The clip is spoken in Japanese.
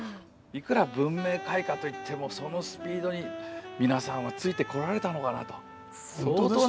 いくら文明開化といってもそのスピードに皆さんはついてこられたのかなと相当な驚きだったんじゃないかなと。